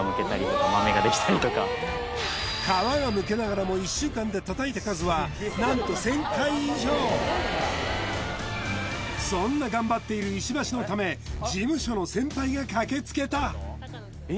皮が剥けながらも１週間で叩いた数は何と１０００回以上そんな頑張っている石橋のためえっ？